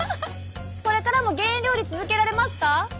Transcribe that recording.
これからも減塩料理続けられますか？